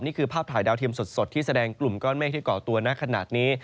นี่คือภาพถ่ายดาวเทียมสดที่แสดงกลุ่มก้อนเมฆที่เกาะตัวนะขนาดนี้